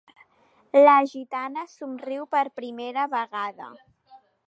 La gitana somriu per primera vegada.